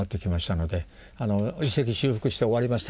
遺跡修復して終わりました。